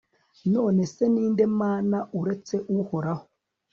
none se, ni nde mana uretse uhoraho